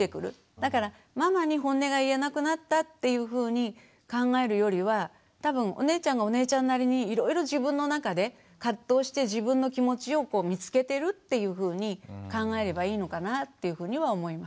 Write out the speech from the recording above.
だからママにホンネが言えなくなったっていうふうに考えるよりは多分お姉ちゃんがお姉ちゃんなりにいろいろ自分の中で葛藤して自分の気持ちを見つけてるっていうふうに考えればいいのかなっていうふうには思います。